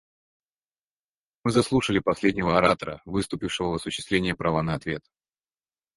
Мы заслушали последнего оратора, выступившего в осуществление права на ответ.